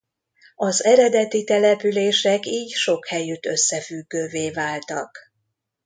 Az eredeti települések így sok helyütt összefüggővé váltak.